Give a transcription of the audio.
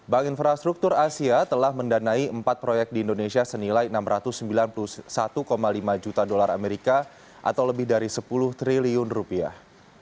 bank infrastruktur asia telah mendanai empat proyek di indonesia senilai enam ratus sembilan puluh satu lima juta dolar amerika atau lebih dari sepuluh triliun rupiah